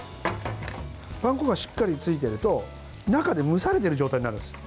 パン粉がしっかりついていると中で蒸されている状態になるんですよ。